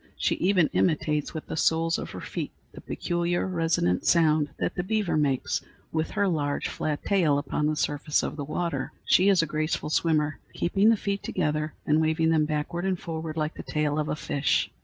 She even imitates with the soles of her feet the peculiar, resonant sound that the beaver makes with her large, flat tail upon the surface of the water. She is a graceful swimmer, keeping the feet together and waving them backward and forward like the tail of a fish.